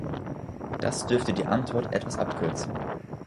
Das dürfte die Antwort etwas abkürzen.